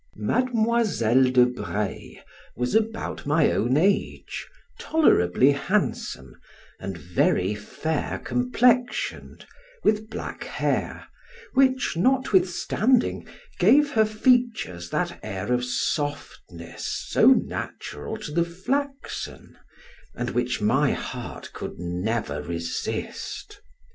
Mademoiselle de Breil was about my own age, tolerably handsome, and very fair complexioned, with black hair, which notwithstanding, gave her features that air of softness so natural to the flaxen, and which my heart could never resist.